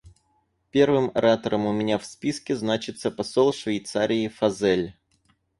Первым оратором у меня в списке значится посол Швейцарии Фазель.